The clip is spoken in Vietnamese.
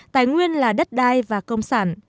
tài nguyên là đất đai và công sản